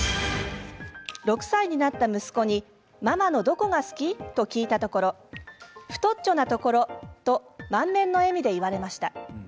６歳になった息子にママのどこが好き？と聞いたところ太っちょなところと満面の笑みで言われました。